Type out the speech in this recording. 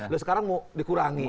lalu sekarang mau dikurangi